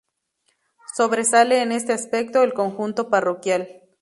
Sobresale en este aspecto el conjunto parroquial.